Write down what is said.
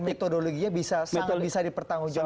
dan metodologinya bisa sangat bisa dipertanggung jawabkan